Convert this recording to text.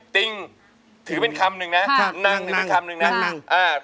ติ๊งถือเป็นคำหนึ่งนะนังนังนัง